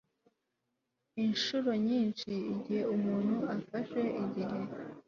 Inshuro nyinshi igihe umuntu afashe igihe